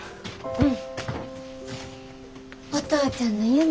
うん。